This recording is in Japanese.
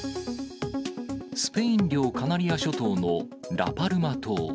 スペイン領カナリア諸島のラパルマ島。